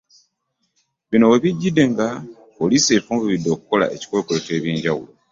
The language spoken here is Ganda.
Bino we bijjidde nga poliisi efunvubidde okukola ebikwekweto eby'enjawulo.